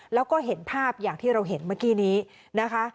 แล้วก็เห็นภาพอย่างที่เราเห็นเมื่อกี้นี้นะคะ